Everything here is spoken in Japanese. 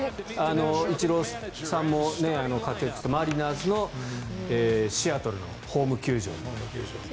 イチローさんも活躍したマリナーズのシアトルのホーム球場。